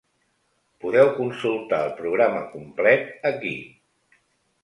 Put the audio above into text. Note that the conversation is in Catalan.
Podeu consultar el programa complet aquí.